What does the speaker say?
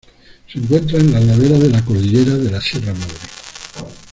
Se encuentra en las laderas de la cordillera de la Sierra Madre.